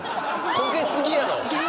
こけすぎやろ！